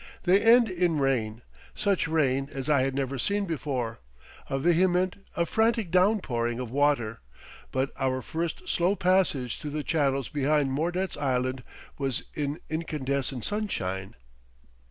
They end in rain—such rain as I had never seen before, a vehement, a frantic downpouring of water, but our first slow passage through the channels behind Mordet's Island was in incandescent sunshine.